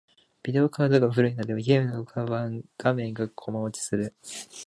ビデオカードが古いので、ゲームの画面がコマ落ちする。